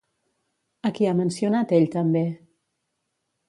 A qui ha mencionat ell també?